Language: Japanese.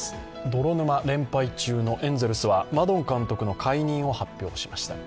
泥沼連敗中のエンゼルスは、マドン監督の解任を発表しました。